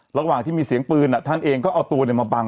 ระหว่างที่มีเสียงปืนท่านเองก็เอาตัวมาบัง